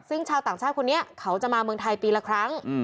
ซึ่งชาวต่างชาติคนนี้เขาจะมาเมืองไทยปีละครั้ง